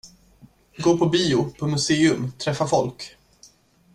Gå på bio, på museum, träffa folk.